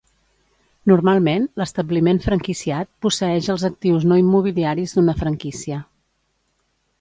Normalment, l'establiment franquiciat posseeix els actius no immobiliaris d'una franquícia.